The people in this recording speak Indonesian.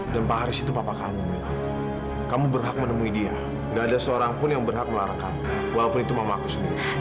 dan pak haris itu papa kamu mila kamu berhak menemui dia gak ada seorang pun yang berhak melarang kamu walaupun itu mamaku sendiri